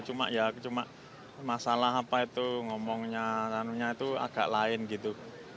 cuma ya cuma masalah apa itu ngomongnya itu agak lain gitu